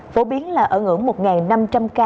phổ biến là ở ngưỡng một năm triệu đồng